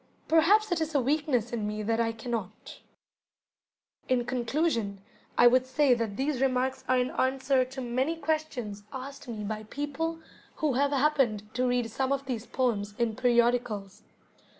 Perhaps it is a weakness in me that I cannot. In conclusion, I would say that these remarks are in answer to many questions asked me by people who have happened to read some of these poems in periodicals.